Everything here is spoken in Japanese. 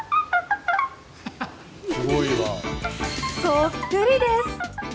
そっくりです！